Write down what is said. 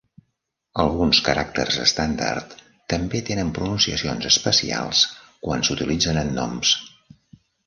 Alguns caràcters estàndard també tenen pronunciacions especials quan s'utilitzen en noms.